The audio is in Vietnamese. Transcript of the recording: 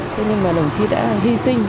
thế nhưng mà đồng chí đã hy sinh